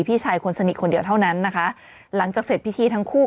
พี่ชายคนสนิทคนเดียวเท่านั้นนะคะหลังจากเสร็จพิธีทั้งคู่